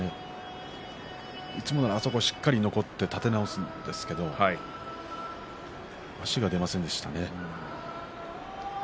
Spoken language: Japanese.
いつもならあそこしっかり残って立て直すんですけど足が出ませんでしたね。